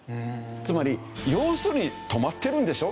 つまり要するに止まってるんでしょ？